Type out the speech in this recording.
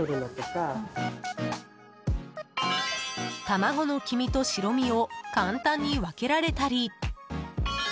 卵の黄身と白身を簡単に分けられたり。